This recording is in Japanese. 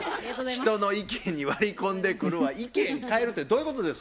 人の意見に割り込んでくるわ意見変えるってどういうことですの？